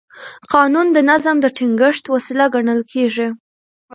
قانون د نظم د ټینګښت وسیله ګڼل کېږي.